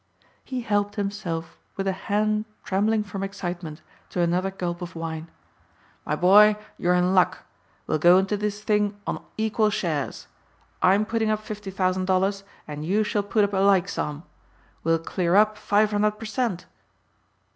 He helped himself with a hand trembling from excitement to another gulp of wine. "My boy, you're in luck. We'll go into this thing on equal shares. I'm putting up fifty thousand dollars and you shall put up a like sum. We'll clear up five hundred per cent."